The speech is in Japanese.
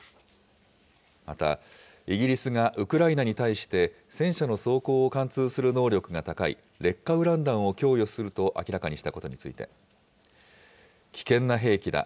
また、イギリスがウクライナに対して、戦車の装甲を貫通する能力が高い劣化ウラン弾を供与すると明らかにしたことについて、危険な兵器だ。